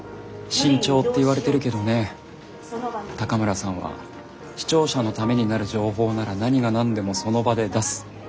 慎重って言われてるけどね高村さんは視聴者のためになる情報なら何が何でもその場で出す。